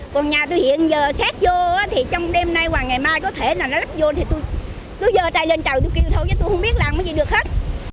còn nhà tôi hiện giờ sát vô thì trong đêm nay hoặc ngày mai có thể là nó lắp vô thì tôi cứ dơ chạy lên trầu tôi kêu thôi tôi không biết làm gì được hết